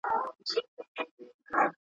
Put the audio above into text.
اره اره سي نجارانو ته ځي.